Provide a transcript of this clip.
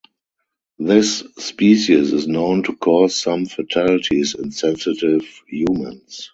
This species is known to cause some fatalities in sensitive humans.